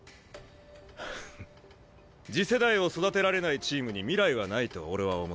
次世代を育てられないチームに未来はないと俺は思っている。